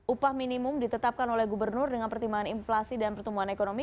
upah minimum ditetapkan oleh gubernur dengan pertimbangan inflasi dan pertumbuhan ekonomi